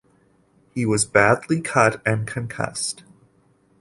He was badly cut and concussed.